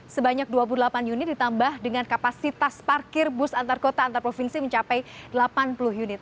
sebanyak dua puluh delapan unit ditambah dengan kapasitas parkir bus antar kota antar provinsi mencapai delapan puluh unit